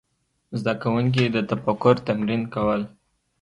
زده کوونکي د تفکر تمرین کول.